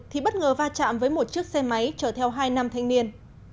thì bất ngờ va chạm với một chiếc xe máy chở theo hai nam thanh niên